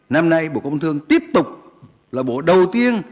năm nay bộ công thương tiếp tục là bộ đầu tiên